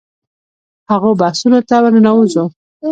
هغو بحثونو ته ورننوځو.